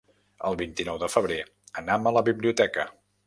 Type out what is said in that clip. El vint-i-nou de febrer anam a la biblioteca.